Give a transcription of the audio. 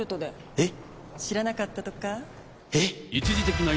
えっ！